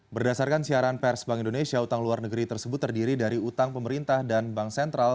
berdasarkan siaran pers bank indonesia utang luar negeri tersebut terdiri dari utang pemerintah dan bank sentral